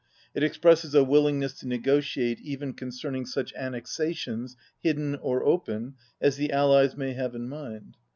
It expresses a willingness to negotiate even concern ing such annexations, hidden or open, as the Allies 46 may have in mind.